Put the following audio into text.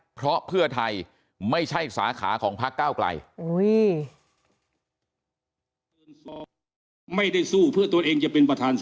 เพราะเพื่อไทยไม่ใช่สาขาของพักเก้าไกล